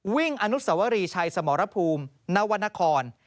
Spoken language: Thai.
อนุสวรีชัยสมรภูมินวรรณคร